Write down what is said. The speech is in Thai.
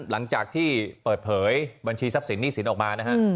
หลังจากที่เปิดเผยบัญชีทรัพย์สินหนี้สินออกมานะฮะ